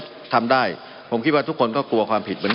มันมีมาต่อเนื่องมีเหตุการณ์ที่ไม่เคยเกิดขึ้น